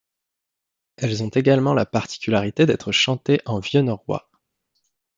Elles ont également la particularité d'être chantées en vieux norrois.